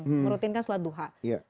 merutinkan sholat duha